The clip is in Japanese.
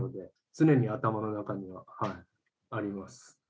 常に頭の中にはあります。